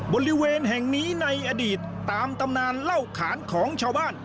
บริเวณแห่งนี้ในอดีตตามตำนานเล่าขานของชาวบ้าน